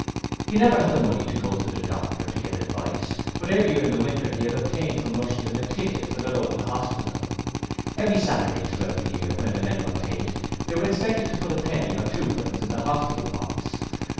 He never had the money to go to a doctor to get advice, but earlier in the winter he had obtained from Rushton a ticket for the local hospital. Every Saturday throughout the year when the men were paid they were expected to put a penny or twopence in the hospital box.